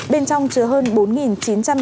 bên trong chứa hơn bốn chín trăm linh